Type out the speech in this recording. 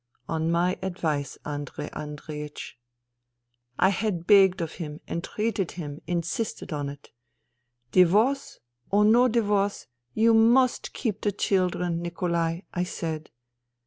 On my advice, Andrei Andreiech. I had begged of him, entreated him, insisted on it. ' Divorce or no divorce, you must keep the children, Nikolai,' I said.